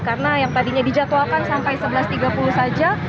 karena yang tadinya dijadwalkan sampai sebelas tiga puluh saja